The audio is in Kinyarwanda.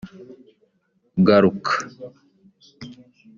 Garuka